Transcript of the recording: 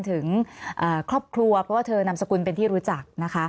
หือข้อบครัวเพราะเธอนำสกุลเป็นที่รู้จัก